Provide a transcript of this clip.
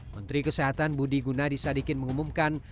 menteri kesehatan budi gunadisadikin mengumumkan